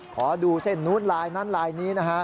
ขอดูเส้นนู้นลายนั้นลายนี้นะฮะ